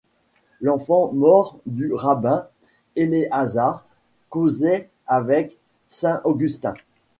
L’enfant mort du rabbin Éléazar causait avec saint Augustin.